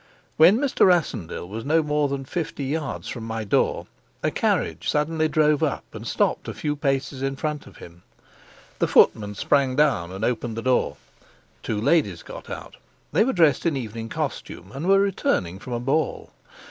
When Mr. Rassendyll was no more than fifty yards from my door, a carriage suddenly drove up and stopped a few paces in front of him. The footman sprang down and opened the door. Two ladies got out; they were dressed in evening costume, and were returning from a ball.